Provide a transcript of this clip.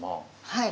はい。